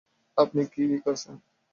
আপনি কী করছেন?